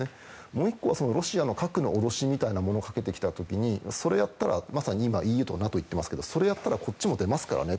もう１個はロシアが核の脅しみたいなものをかけてきた時にそれを今ＥＵとＮＡＴＯは言ってますけどそれをやったらこっちも出ますからね